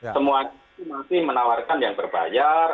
semua ini masih menawarkan yang berbayar